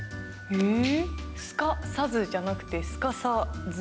うん。